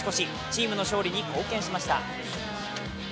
チームの勝利に貢献しました。